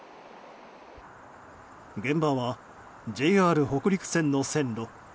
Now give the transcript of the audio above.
現場はＪＲ北陸線の線路。